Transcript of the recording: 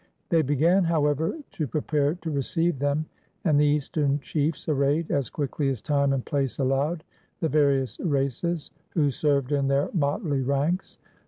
They began, however, to prepare to receive them, and the Eastern chiefs arrayed, as quickly as time and place allowed, the varied races who served in their motley ranks.